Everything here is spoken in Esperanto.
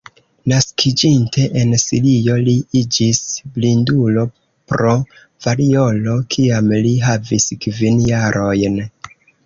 Naskiĝinte en Sirio, li iĝis blindulo pro variolo kiam li havis kvin jarojn.